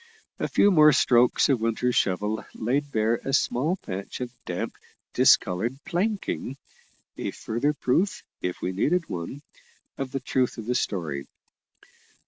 A few more strokes of Winter's shovel laid bare a small patch of damp discoloured planking, a further proof, if we needed one, of the truth of the story.